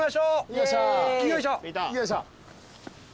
よいしょ。